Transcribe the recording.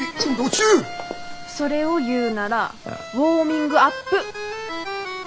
それを言うなら「ウォーミングアップ」！